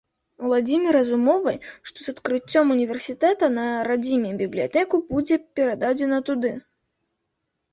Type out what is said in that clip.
Уладзіміра з умовай, што з адкрыццём універсітэта на радзіме, бібліятэку будзе перададзена туды.